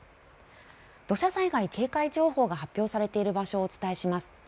土砂災害警戒情報が発表されている場所をお伝えします。